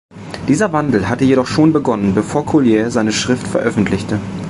Dieser Wandel hatte jedoch schon begonnen, bevor Collier seine Schrift veröffentlichte.